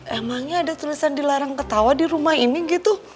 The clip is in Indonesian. emangnya ada tulisan dilarang ketawa di rumah ini gitu